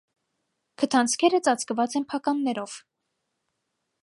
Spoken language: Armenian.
Քթանցքերը ծածկված են փականներով։